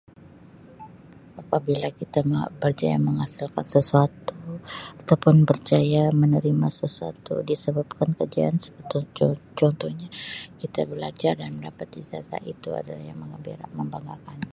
Apabila kita berjaya menghasilkan sesuatu atau pun berjaya menerima sesuatu disebabkan kejayaan seperti con-contohnya kita belajar dan mendapatkan ijazah itu adalah yang mengembira membanggakan.